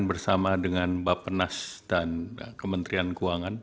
bersama dengan bapak nas dan kementerian keuangan